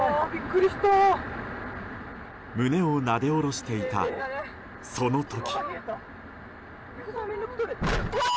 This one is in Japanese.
胸をなで下ろしていたその時。